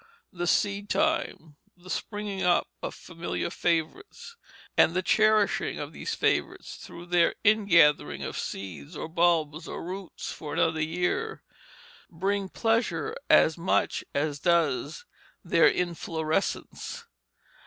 The seed time, the springing up of familiar favorites, and the cherishing of these favorites through their in gathering of seeds or bulbs or roots for another year, bring pleasure as much as does their inflorescence.